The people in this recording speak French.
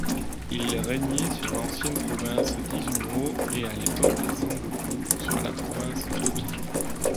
Ils régnaient sur l'ancienne province d'Izumo et à l'époque Sengoku sur la province d'Oki.